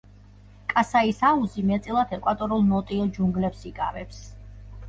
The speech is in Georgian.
კასაის აუზი მეტწილად ეკვატორულ ნოტიო ჯუნგლებს იკავებს.